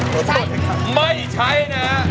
ไม่ใช้ไม่ใช้นะ